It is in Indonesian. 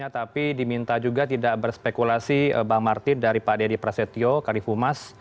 tapi diminta juga tidak berspekulasi bang martin dari pak dedy prasetyo kadifumas